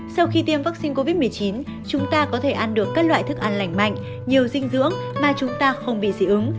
sau khi tiêm vaccine covid một mươi chín chúng ta có thể ăn được các loại thức ăn lành mạnh nhiều dinh dưỡng mà chúng ta không bị dị ứng